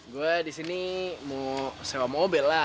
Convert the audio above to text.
gue disini mau sewa mobil lah